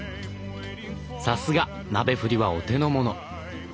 さすが鍋振りはお手のもの。